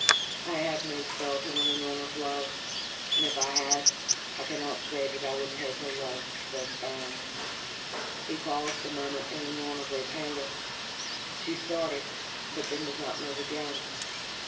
I have no spell to win Unorna's love and if I had, I cannot say that I would take a love thus earned." He paused a moment and Unorna grew paler. She started, but then did not move again.